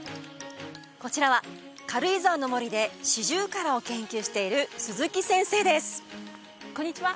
こちらは軽井沢の森でシジュウカラを研究している鈴木先生ですこんにちは